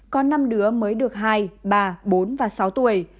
có năm đứa mới được hai ba bốn và sáu tuổi